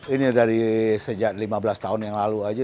ini dari sejak lima belas tahun yang lalu aja